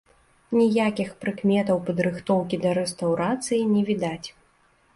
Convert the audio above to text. Ніякіх прыкметаў падрыхтоўкі да рэстаўрацыі не відаць.